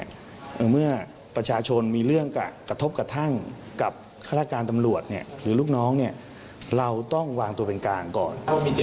คือทำไมถึงเรียกถึงเฉพาะ๗คนก่อน